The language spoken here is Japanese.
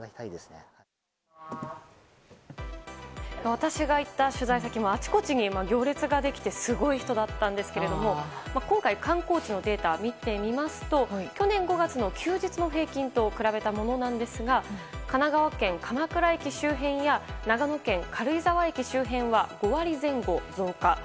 私が行った取材先もあちこちに行列ができてすごい人だったんですが今回、観光地のデータを見てみますと去年５月の休日の平均と比べたものなんですが神奈川県鎌倉駅周辺や長野県軽井沢駅周辺は５割前後増加。